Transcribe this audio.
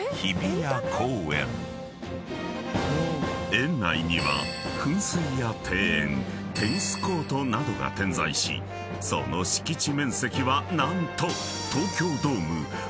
［園内には噴水や庭園テニスコートなどが点在しその敷地面積は何と］